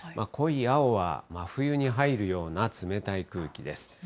濃い青は、真冬に入るような冷たい空気です。